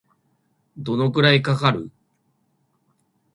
どのくらいかかる